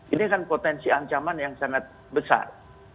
ini kan potensi ancaman yang sangat besar